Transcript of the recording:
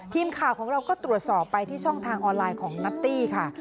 ทีมข่าวของเราก็ตรวจสอบไปที่ช่องทางออนไลน์ของนัตตี้ค่ะ